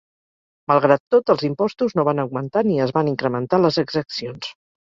Malgrat tot, els impostos no van augmentar ni es van incrementar les exaccions.